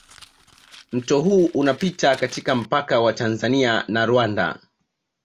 mto huu unapita katika mpaka wa Tanzania na Rwanda